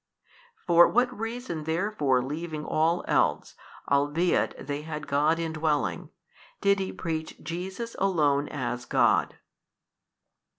For what reason therefore leaving all else albeit they had God indwelling, did he preach Jesus Alone as God?